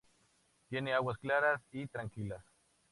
Tiene aguas claras y tranquilas.